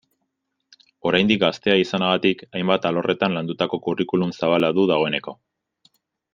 Oraindik gaztea izanagatik, hainbat alorretan landutako curriculum zabala du dagoeneko.